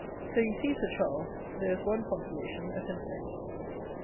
So, you see, Sir Charles, there is one consolation, at any rate."